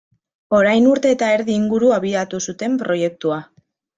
Orain urte eta erdi inguru abiatu zuten proiektua.